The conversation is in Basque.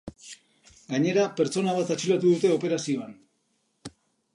Gainera, pertsona bat atxilotu dute operazioan.